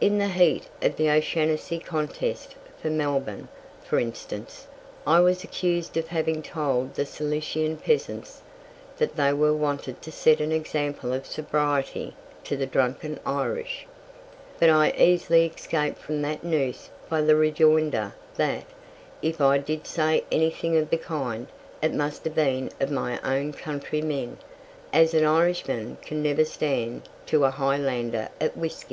In the heat of the O'Shanassy contest for Melbourne, for instance, I was accused of having told the Silesian peasants that they were wanted to set an example of sobriety to the drunken Irish. But I easily escaped from that noose by the rejoinder that, if I did say anything of the kind, it must have been of my own countrymen, as an Irishman can never stand to a Highlander at whisky.